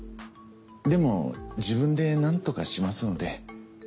でも自分でなんとかしますので。